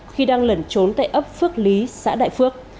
khi đang lẩn trốn tại ấp phước lý xã đại phước